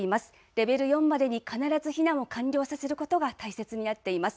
レベル４までに必ず避難を完了させることが大切になっています。